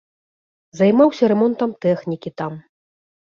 Займаўся рамонтам тэхнікі там.